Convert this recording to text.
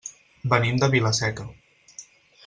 Venim de Vila-seca.